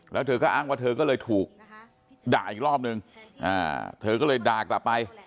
แล้วเธอก็อ้างว่าเธอก็เลยถูกด่าอีกรอบนึงเธอก็เลยด่ากลับไป